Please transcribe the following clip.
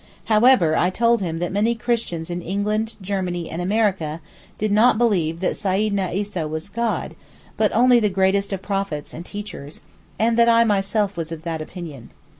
However, I told him that many Christians in England, Germany, and America did not believe that Seyyidna Eesa was God, but only the greatest of prophets and teachers, and that I was myself of that opinion.